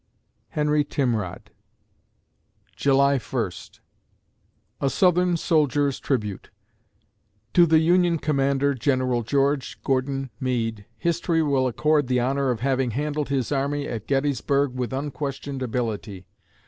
HENRY TIMROD July First A SOUTHERN SOLDIER'S TRIBUTE To the Union commander, General George Gordon Meade, history will accord the honor of having handled his army at Gettysburg with unquestioned ability.